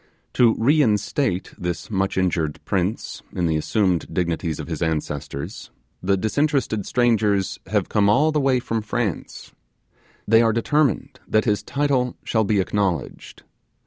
To reinstate this much injured prince in the assumed dignities of his ancestors, the disinterested strangers have come all the way from France: they are determined that his title shall be acknowledged.